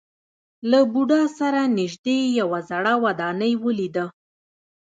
له بودا سره نژدې یوه زړه ودانۍ ولیده.